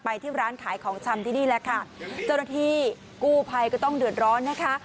ที่ร้านขายของชำที่นี่แหละค่ะเจ้าหน้าที่กู้ภัยก็ต้องเดือดร้อนนะคะ